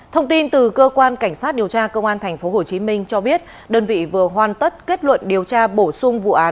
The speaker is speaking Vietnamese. thông tin từ cơ quan cảnh sát điều tra công an tp hcm cho biết đơn vị vừa hoàn tất kết luận điều tra bổ sung vụ án